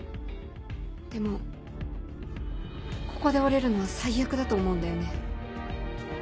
でもここで折れるのは最悪だと思うんだよね。